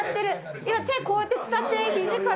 今、手こうやって伝って、ひじから。